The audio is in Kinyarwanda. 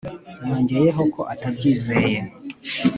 Yongeyeho ko atabyizeye